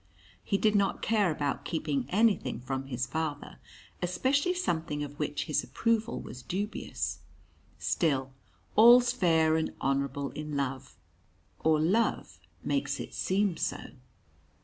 He did not care about keeping anything from his father especially something of which his approval was dubious. Still, all's fair and honourable in love or love makes it seem so.